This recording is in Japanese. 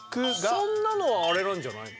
そんなのはあれなんじゃないの？